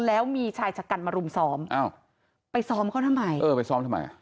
แล้วมีชายฉักกันมารุมซ้อมไปซ้อมเขาทำไม